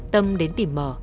tâm đến tìm m